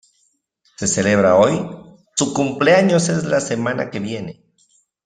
¿ Se celebra hoy? ¡ su cumpleaños es la semana que viene!